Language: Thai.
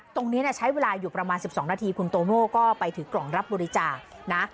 ตรงนี้ใช้เวลาอยู่ประมาณ๑๒นาทีคุณโตโน่ก็ไปถือกล่องรับบริจาคนะ